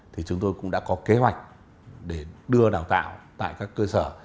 thì chúng tôi cũng đã có kế hoạch để đưa đào tạo tại các cơ sở